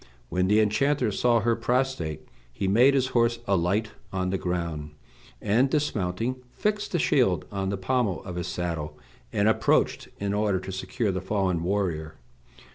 When the enchanter saw her prostrate he made his horse alight on the ground, and, dismounting, fixed the shield on the pommel of his saddle, and approached in order to secure the fallen warrior.